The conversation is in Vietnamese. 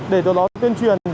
để từ đó tuyên truyền